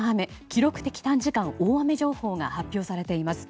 記録的短時間大雨情報が発表されています。